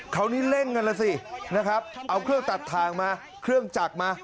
คราวนี้เร่งกันแล้วสินะครับเอาเครื่องตัดทางมาเครื่องจักรมา